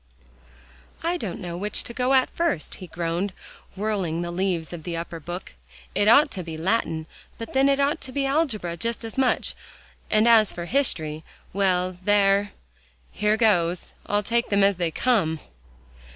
"I don't know which to go at first," he groaned, whirling the leaves of the upper book. "It ought to be Latin but then it ought to be algebra just as much, and as for history well there here goes, I'll take them as they come."